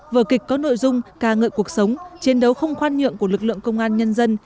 vở kịch có nội dung ca ngợi cuộc sống chiến đấu không khoan nhượng của lực lượng công an nhân dân